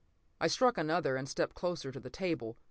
ins> I struck another and stepped closer to the table.